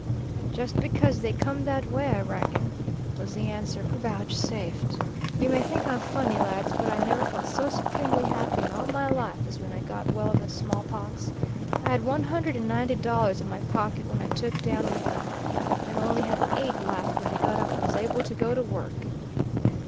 "Just because they come that way, I reckon," was the answer vouchsafed. "You may think I'm funning, lads, but I never felt so supremely happy in all my life as when I got well of the smallpox. I had one hundred and ninety dollars in my pocket when I took down with them, and only had eight left when I got up and was able to go to work."